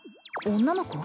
女の子？